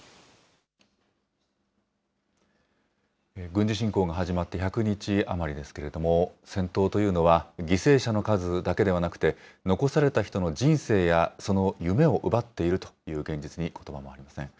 軍事侵攻が始まって１００日余りですけれども、戦闘というのは、犠牲者の数だけではなくて、残された人の人生や、その夢を奪っているという現実にことばもありません。